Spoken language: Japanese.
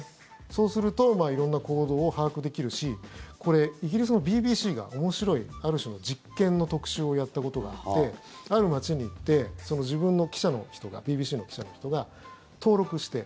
そうすると色んな行動を把握できるしイギリスのＢＢＣが面白いある種の実験の特集をやったことがあってある街に行ってＢＢＣの記者の人が登録して。